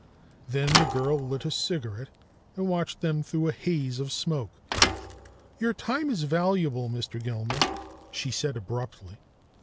Then the girl lit a cigaret and watched them through a haze of smoke. "Your time is valuable, Mr. Gilmer," she said abruptly.